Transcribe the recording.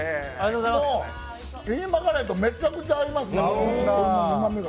もうキーマカレーとめちゃくちゃ合います、このうまみが。